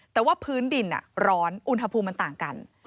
แต่ว่าพื้นดินร้อนอุณหภูมิมันต่างกัน